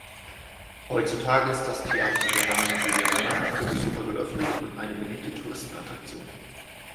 Heutzutage ist das Teatro Romano di Verona für Besucher geöffnet und eine beliebte Touristenattraktion.